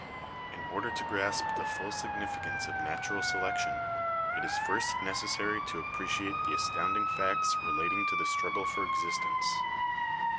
In order to grasp the full significance of natural selec tion, it is first necessary to appreciate the astounding facts relating to the struggle for existence.